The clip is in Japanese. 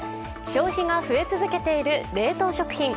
消費が増え続けている冷凍食品。